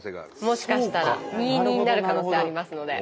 もしかしたら２−２になる可能性ありますので。